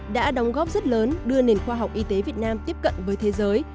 đã đóng góp rất lớn đưa nền khoa học y tế việt nam tiếp cận với thế giới